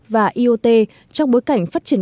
và iot trong bối cảnh phát triển